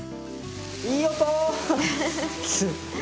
いい音！